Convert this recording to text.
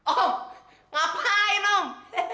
om ngapain om